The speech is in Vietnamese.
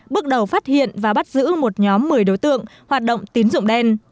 bước đầu phát hiện và bắt giữ một nhóm một mươi đối tượng hoạt động tín dụng đen